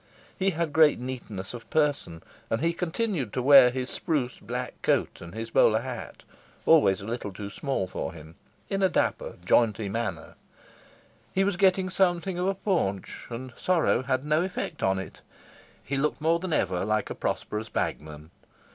He had great neatness of person, and he continued to wear his spruce black coat and his bowler hat, always a little too small for him, in a dapper, jaunty manner. He was getting something of a paunch, and sorrow had no effect on it. He looked more than ever like a prosperous bagman.